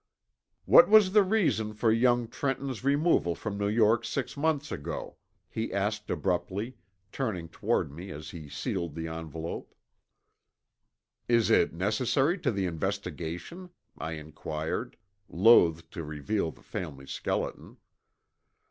"What was the reason for young Trenton's removal from New York six months ago?" he asked abruptly, turning toward me as he sealed the envelope. "Is it necessary to the investigation?" I inquired, loth to reveal the family skeleton.